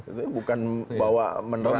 itu bukan membawa menerang